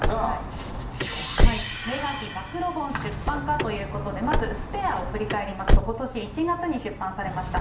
メーガン妃、暴露本出版かということで、まずスペアを振り返りますと、ことし１月に出版されました。